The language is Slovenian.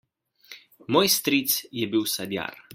Moj stric je bil sadjar.